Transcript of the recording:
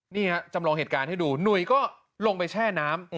นี่ฮะจำลองเหตุการณ์ให้ดูหนุ่ยก็ลงไปแช่น้ำ